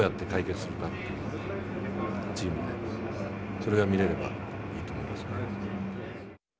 それが見れればいいと思います。